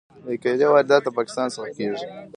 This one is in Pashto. د کیلې واردات له پاکستان څخه کیږي.